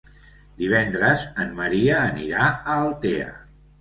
Divendres en Maria anirà a Altea.